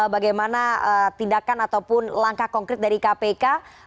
bagaimana tindakan ataupun langkah konkret dari kpk